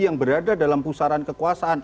yang berada dalam pusaran kekuasaan